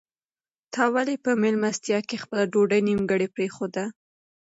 تا ولې په مېلمستیا کې خپله ډوډۍ نیمګړې پرېښوده؟